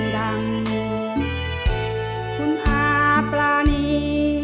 ดังคุณอาปรานี